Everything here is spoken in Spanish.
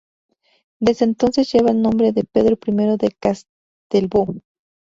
Desde entonces lleva el nombre de Pedro I de Castellbó.